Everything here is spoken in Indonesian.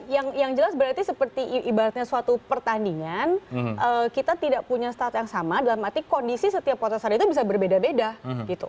yang jelas berarti seperti ibaratnya suatu pertandingan kita tidak punya start yang sama dalam arti kondisi setiap protesan itu bisa berbeda beda gitu